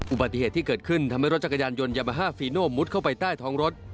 อุบัติเหตุที่เกิดขึ้นทำให้รถจักรยานยนต์ยาบาฮาฟีโน่มุดเข้าไปใต้ท้องรถ